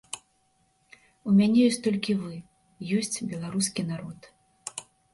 У мяне ёсць толькі вы, ёсць беларускі народ.